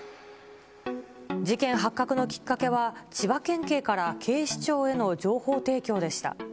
事件発覚のきっかけは、千葉県警から警視庁への情報提供でした。